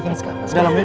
kamu ke dalam ya